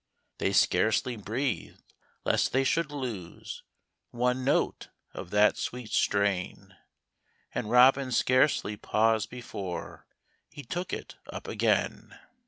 They scarcely breathed, lest the) should lose One note of that sweet strain ; And Robin scarcely paused before He took it up again.